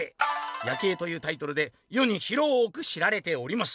『夜警』というタイトルでよに広く知られております」。